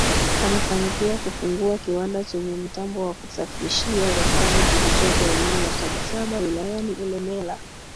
Amefanikiwa kufungua kiwanda chenye mtambo wa kusafishia dhahabu kilichopo eneo la Sabasaba wilayani Ilemela